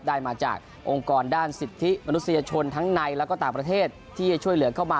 ได้มาจากองค์กรด้านสิทธิมนุษยชนทั้งในแล้วก็ต่างประเทศที่จะช่วยเหลือเข้ามา